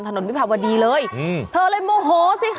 ถนวิผัติวัดีเลยเธอเลยโมโหสิคะ